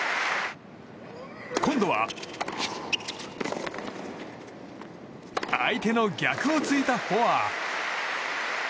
今度は相手の逆を突いたフォア！